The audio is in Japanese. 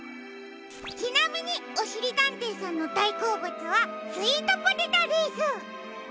ちなみにおしりたんていさんのだいこうぶつはスイートポテトです。